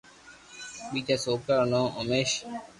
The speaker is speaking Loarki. ٻيجا سوڪرا رو نوم اوميݾ